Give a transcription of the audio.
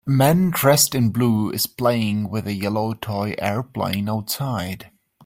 A man dressed in blue is playing with a yellow toy airplane outside.